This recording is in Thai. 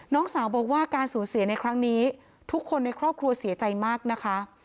น้องสาวบอกว่าการสูญเสียในครั้งนี้ทุกคนในครอบครัวเสียใจมากนะคะ